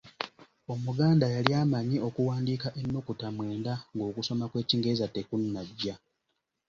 Omuganda yali amanyi okuwandiika ennukuta mwenda ng’okusoma kw’ekingereza tekunnajja!